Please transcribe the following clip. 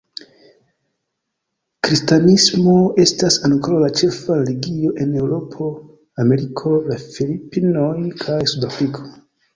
Kristanismo estas ankoraŭ la ĉefa religio en Eŭropo, Ameriko, la Filipinoj kaj Suda Afriko.